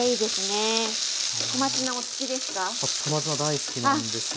小松菜お好きですか？